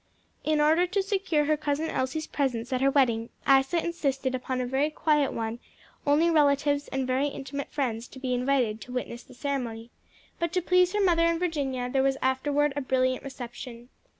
In order to secure her cousin Elsie's presence at her wedding, Isa insisted upon a very quiet one, only relatives and very intimate friends to be invited to witness the ceremony; but to please her mother and Virginia, there was afterward a brilliant reception.